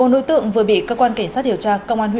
một mươi bốn nội tượng vừa bị các quan cảnh sát điều tra